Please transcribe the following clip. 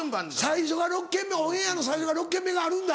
最初が６軒目オンエアの最初が６軒目があるんだ。